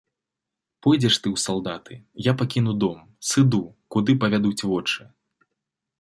Пойдзеш ты ў салдаты, я пакіну дом, сыду, куды павядуць вочы.